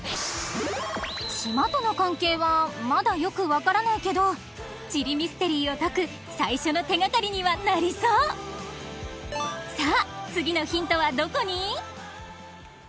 島との関係はまだよく分からないけど地理ミステリーを解く最初の手掛かりにはなりそうさぁ次のヒントはどこに？